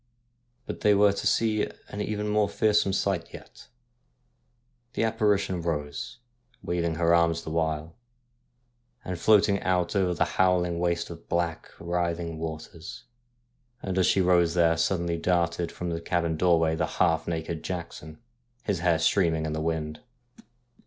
But they were to see even a more fearsome sight yet. The apparition rose, waving her arms the while, and floating out over the howling waste of black, writhing waters ; and as she rose there sud denly darted from the cabin doorway the half naked Jackson, his hair streaming in the wind.